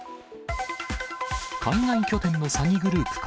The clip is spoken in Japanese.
海外拠点の詐欺グループか。